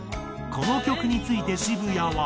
この曲について渋谷は。